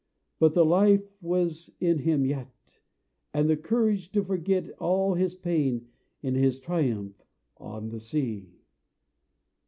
But the life was in him yet, And the courage to forget All his pain, in his triumph On the sea.